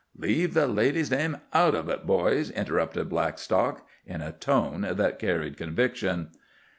"Leave the lady's name out of it, boys," interrupted Blackstock, in a tone that carried conviction.